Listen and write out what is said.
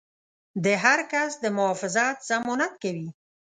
د هر کس د محافظت ضمانت کوي.